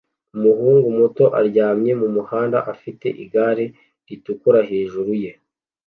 umuhungu muto aryamye mumuhanda afite igare ritukura hejuru ye